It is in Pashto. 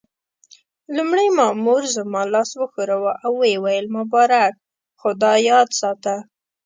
لومړي مامور زما لاس وښوراوه او ويې ویل: مبارک، خو دا یاد ساته.